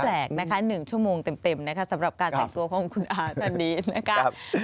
แปลกนะคะ๑ชั่วโมงเต็มนะคะสำหรับการแต่งตัวของคุณอาจันดีนะคะ